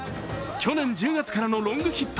去年１０月からのロングヒット。